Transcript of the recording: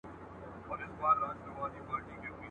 چي تر څو مي نوم یادیږي چي سندری مي شرنګیږي ..